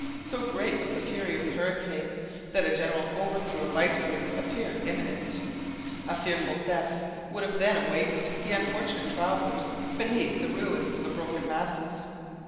So great was the fury of the hurricane that a general overthrow of icebergs appeared imminent. A fearful death would then have awaited the unfortunate travellers beneath the ruins of the broken masses.